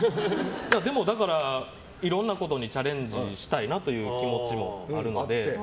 でも、いろんなことにチャレンジしたいなという気持ちもあるので。